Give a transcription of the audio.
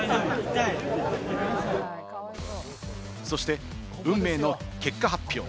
そして運命の結果発表。